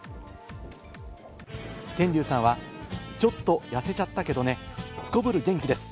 天龍さんは、ちょっと痩せちゃったけどね、すこぶる元気です！